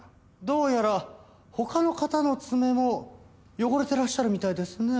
どうやら他の方の爪も汚れてらっしゃるみたいですね。